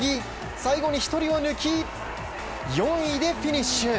最後に１人を抜き４位でフィニッシュ。